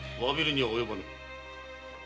詫びるには及ばぬ。